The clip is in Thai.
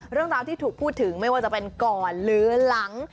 เรื่องราวที่ถูกพูดถึงไม่ว่าจะเป็นก่อนหรือหลัง